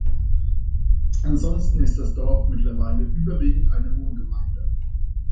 Ansonsten ist das Dorf mittlerweile überwiegend eine Wohngemeinde.